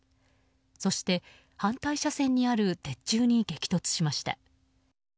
そして、反対車線にある鉄柱に激突しました。